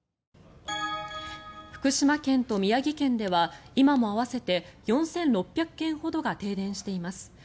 福島県と宮城県では今も合わせて４６００軒ほどが停電しています。